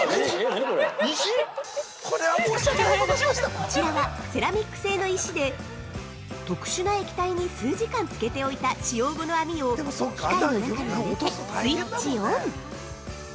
◆こちらは、セラミック製の石で特殊な液体に数時間つけておいた使用後の網を機械の中に入れてスイッチオン。